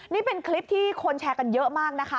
นี่เป็นคลิปที่คนแชร์กันเยอะมากนะคะ